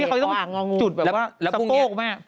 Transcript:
ที่เขาต้องจุดแบบว่าสโปรกไหม